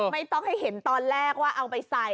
ไม่ต้องให้เห็นตอนแรกว่าเอาไปใส่